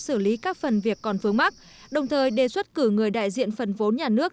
xử lý các phần việc còn phương mắc đồng thời đề xuất cử người đại diện phần vốn nhà nước